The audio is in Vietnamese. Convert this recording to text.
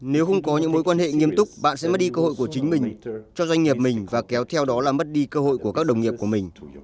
nếu không có những mối quan hệ nghiêm túc bạn sẽ mất đi cơ hội của chính mình cho doanh nghiệp mình và kéo theo đó là mất đi cơ hội của các đồng nghiệp của mình